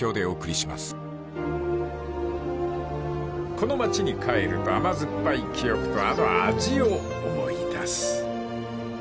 ［この町に帰ると甘酸っぱい記憶とあの味を思い出す］